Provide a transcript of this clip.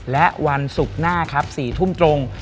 และวันศุกร์หน้าครับ๔ทุ่มตรง